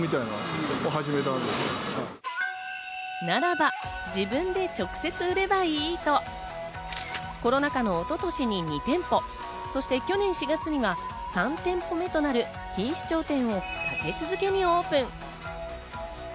ならば、自分で直接売ればいいと、コロナ禍のおととしに２店舗、そして去年４月には３店舗目となる錦糸町店を立て続けにオープン。